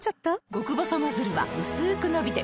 極細ノズルはうすく伸びて